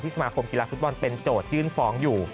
สมาคมกีฬาฟุตบอลเป็นโจทยื่นฟ้องอยู่